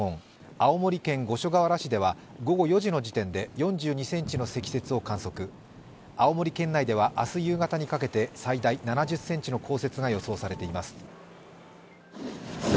青森県五所川原市では午後４時の時点で４２ｃｍの積雪を観測青森県内では明日夕方にかけて最大７０ｃｍの降雪が予想されています。